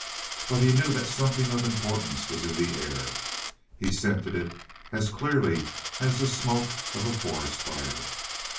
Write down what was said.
But he knew that something of importance was in the air. He scented it as clearly as the smoke of a forest fire.